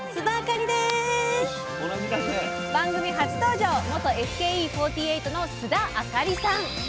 番組初登場元ＳＫＥ４８の須田亜香里さん。